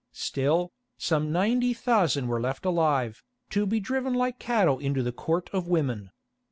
Still, some ninety thousand were left alive, to be driven like cattle into the Court of Women.